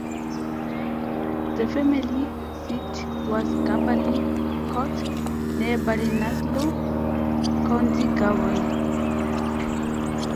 The family seat was Garbally Court, near Ballinasloe, County Galway.